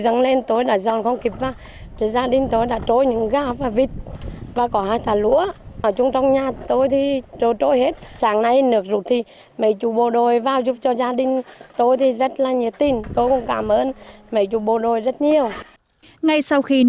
ngay sau khi nước rút siêu đoàn chín trăm sáu mươi tám thuộc quân khu bốn đã điều động hơn sáu trăm linh cán bộ chiến sĩ